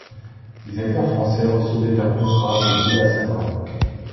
Les acteurs français recevaient un contrat de deux à cinq ans.